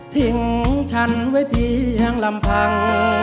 ฉันไว้เพียงลำพัง